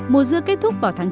mùa dưa kết thúc vào tháng chín